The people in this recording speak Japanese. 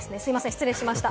失礼いたしました。